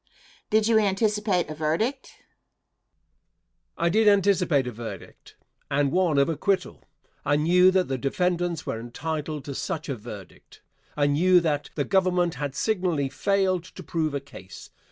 Question. Did you anticipate a verdict? Answer. I did anticipate a verdict, and one of acquittal. I knew that the defendants were entitled to such a verdict. I knew that the Government had signally failed to prove a case.